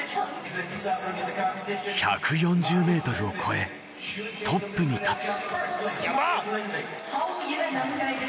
１４０ｍを超えトップに立つ。